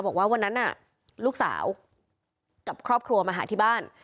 บอกว่าวันนั้นน่ะลูกสาวกับครอบครัวมาหาที่บ้าน